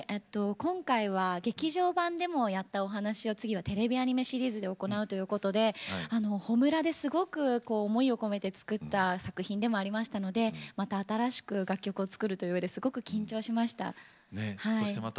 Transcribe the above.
今回は劇場版でもやったお話を今度はテレビシリーズでも行うということで「炎ほむら」ですごく思いを込めて作った作品でもありましたのでまた新しく楽曲を作るというので緊張しました。